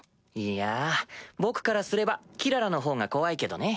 いやぁ僕からすればキララのほうが怖いけどね。